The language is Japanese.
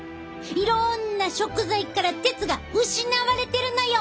いろんな食材から鉄が失われてるのよ！